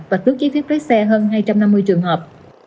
và tước chi phí phép lấy xe hơn hai trăm năm mươi trường hợp